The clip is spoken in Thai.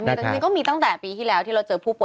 มีตอนนี้ก็มีตั้งแต่ปีที่แล้วที่เราเจอผู้ป่วย